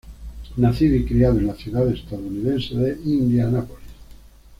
Nacido y criado en la ciudad estadounidense de Indianápolis.